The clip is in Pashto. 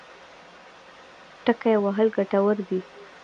ټکی وهل ګټور دی.